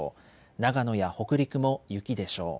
長野や北陸も雪でしょう。